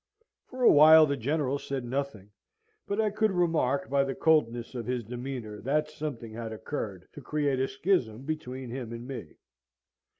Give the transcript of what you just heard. "For a while the General said nothing, but I could remark, by the coldness of his demeanour, that something had occurred to create a schism between him and me.